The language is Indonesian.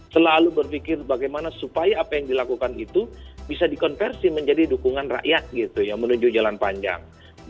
selalu berpikir bagaimana supaya apa yang dilakukan itu bisa dikonversi menjadi dukungan rakyat gitu ya menuju jalan panjang